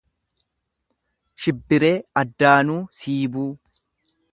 Shibbiree Addaanuu Siibuu